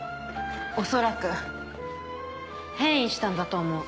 恐らく変異したんだと思う。